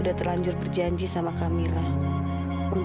tapi aku nggak bisa mengatakan yang